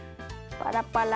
パラパラ。